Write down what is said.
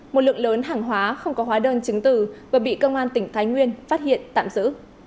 một lượng lớn hàng hóa không có hóa đơn chứng từ vừa bị công an tỉnh thái nguyên phát hiện tạm giữ